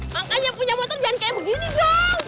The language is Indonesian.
makanya punya motor jangan kayak begini dong